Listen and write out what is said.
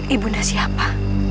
ibu nda siapa